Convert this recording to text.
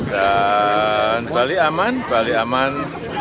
bali aman bali aman